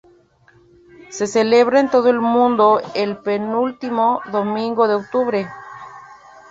Se celebra en todo el mundo el penúltimo domingo de octubre.